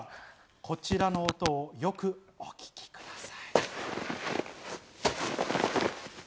こちらの音をよくお聞きください。